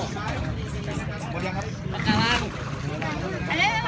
สุริยะ